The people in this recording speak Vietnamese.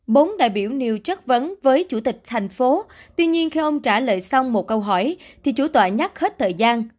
bốn đại biểu nêu chất vấn với chủ tịch thành phố tuy nhiên khi ông trả lời xong một câu hỏi thì chủ tọa nhắc hết thời gian